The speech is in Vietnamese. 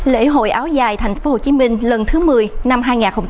lễ hội áo dài tp hcm lần thứ một mươi năm hai nghìn hai mươi